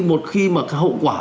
một khi mà hậu quả